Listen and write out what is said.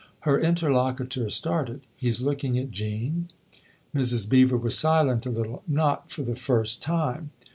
Her interlocutor started. " He's looking at Jean ?" Mrs. Beever was silent a little. " Not for the first time